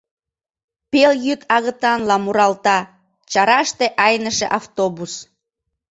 Пелйӱд агытанла муралта чараште айныше автобус.